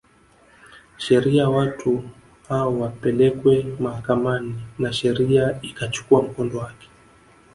sheria watu hao wapelekwe mahakamani na sheria ikachukua mkondo wake